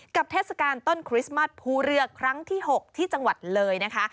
เทศกาลต้นคริสต์มัสภูเรือครั้งที่๖ที่จังหวัดเลยนะคะ